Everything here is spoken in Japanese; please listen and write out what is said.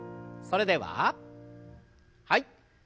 それでははい。